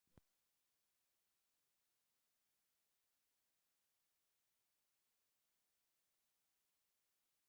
こんな文章が表示されたって、うまく読み上げられるわけがないじゃないか